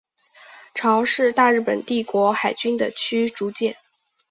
潮是大日本帝国海军的驱逐舰。